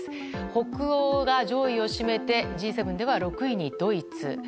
北欧が上位を占めてＧ７では６位にドイツ。